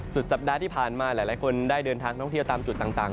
สุดสัปดาห์ที่ผ่านมาหลายคนได้เดินทางท่องเที่ยวตามจุดต่าง